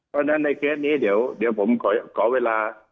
เพราะฉะนั้นในเคสนี้เดี๋ยวผมขอเวลา